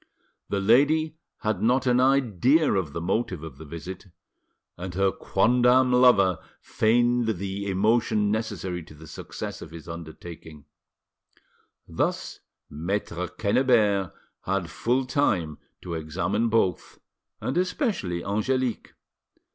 The lady had not an idea of the motive of the visit, and her quondam lover feigned the emotion necessary to the success of his undertaking. Thus Maitre Quennebert had full time to examine both, and especially Angelique.